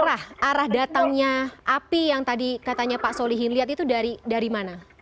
arah arah datangnya api yang tadi katanya pak solihin lihat itu dari mana